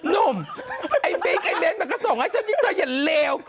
นุ่มไอ้มิ๊กไอ้เบนมันก็ส่งให้ฉันอย่าเลว